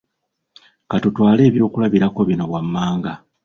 Ka tutwale ebyokulabirako bino wammanga